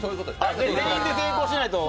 全員で成功しないと。